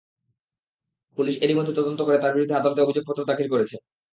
Police এরই মধ্যে তদন্ত করে তাঁর বিরুদ্ধে আদালতে অভিযোগপত্র দাখিল করেছে।